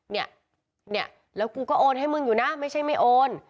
เนี่ยเนี่ยแล้วกูก็โอนให้มึงอยู่นะไม่ใช่ไม่โอน